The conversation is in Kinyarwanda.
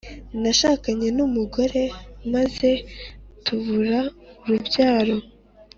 Nashakanye numugore maze tubura urubyaro